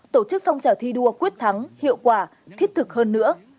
tổ chức phong trào thi đua quyết thắng hiệu quả thiết thực hơn nữa